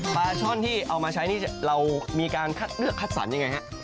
ปลาช่อนที่เอามาใช้นี่เรามีการคัดเลือกคัดสรรยังไงฮะ